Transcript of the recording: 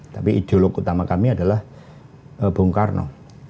tapi ideologi utama kami adalah bung karno